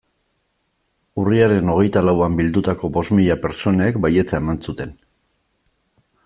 Urriaren hogeita lauan bildutako bost mila pertsonek baietza eman zuten.